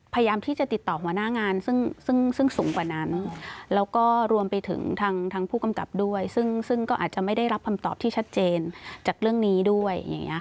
พยายามที่จะติดต่อหัวหน้างานซึ่งสูงกว่านั้นแล้วก็รวมไปถึงทางผู้กำกับด้วยซึ่งก็อาจจะไม่ได้รับคำตอบที่ชัดเจนจากเรื่องนี้ด้วย